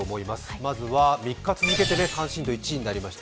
まずは３日続けて関心度１位になりました。